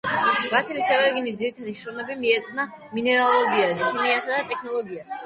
ვასილი სევერგინის ძირითადი შრომები მიეძღვნა მინერალოგიას, ქიმიასა და ტექნოლოგიას.